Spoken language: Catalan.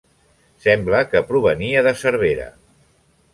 Sembla que provenia de Cervera.